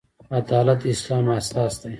عدالت د اسلام اساس دی